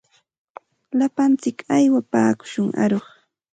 Lapantsik aywapaakushun aruq.